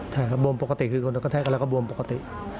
ใช่ครับบวมปกติคือคนก็แท็กกันแล้วก็บวมปกติ